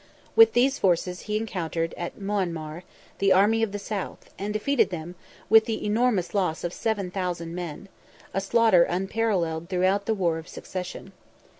With these forces he encountered, at Moanmore, the army of the south, and defeated them, with the enormous loss of 7,000 men—a slaughter unparalleled throughout the war of succession.